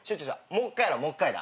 もう一回やろうもう一回だ。